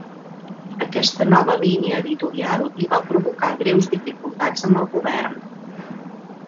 Aquesta nova línia editorial li va provocar greus dificultats amb el govern.